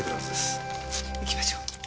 行きましょう。